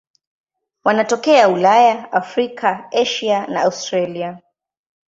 Wanatokea Ulaya, Afrika, Asia na Australia.